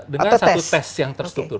dengan satu tes yang terstruktur